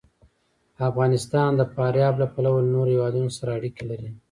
افغانستان د فاریاب له پلوه له نورو هېوادونو سره اړیکې لري.